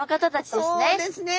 そうですね。